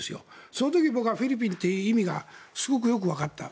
その時、僕はフィリピンという意味がよくわかった。